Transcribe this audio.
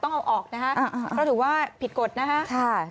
ต้องเอาออกนะฮะเพราะถือว่าผิดกฎนะฮะ